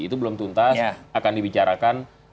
itu belum tuntas akan dibicarakan